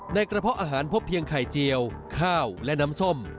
กระเพาะอาหารพบเพียงไข่เจียวข้าวและน้ำส้ม